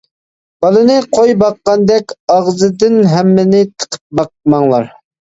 بالىنى قوي باققاندەك ئاغزىدىن ھەممىنى تىقىپ باقماڭلار.